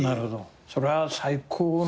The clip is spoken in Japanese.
それは最高の。